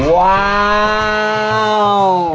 ว้าว